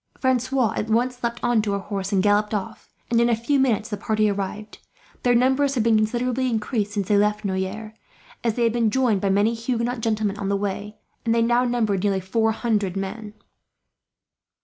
Francois at once leapt on to a horse and galloped off, and in a few minutes the party arrived. Their numbers had been considerably increased since they left Noyers, as they had been joined by many Huguenot gentlemen on the way, and they now numbered nearly four hundred men.